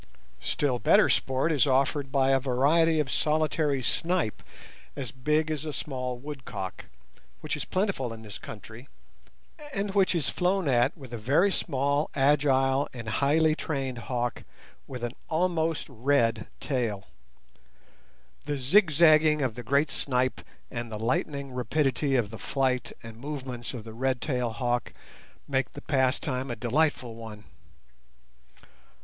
Still better sport is offered by a variety of solitary snipe as big as a small woodcock, which is plentiful in this country, and which is flown at with a very small, agile, and highly trained hawk with an almost red tail. The zigzagging of the great snipe and the lightning rapidity of the flight and movements of the red tailed hawk make the pastime a delightful one.